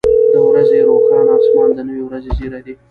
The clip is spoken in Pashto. • د ورځې روښانه اسمان د نوې ورځې زیری دی.